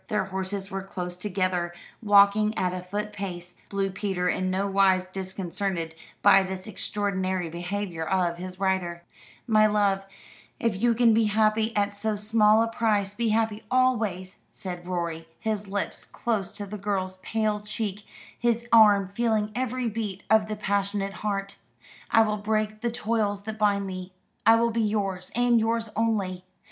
Their horses were close together, walking at a foot pace, Blue Peter in nowise disconcerted by this extraordinary behaviour of his rider. "My love, if you can be happy at so small a price, be happy always!" said Rorie, his lips close to the girl's pale cheek, his arm feeling every beat of the passionate heart. "I will break the toils that bind me. I will be yours, and yours only.